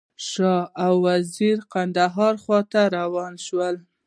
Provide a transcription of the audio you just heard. شاه او وزیر کندهار خواته روان شول.